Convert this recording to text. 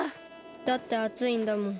だってあついんだもん。